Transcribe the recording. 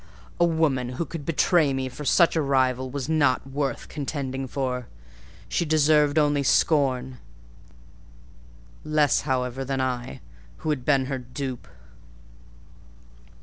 A woman who could betray me for such a rival was not worth contending for; she deserved only scorn; less, however, than I, who had been her dupe.